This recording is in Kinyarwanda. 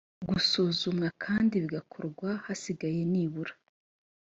gusuzumwa kandi bigakorwa hasigaye nibura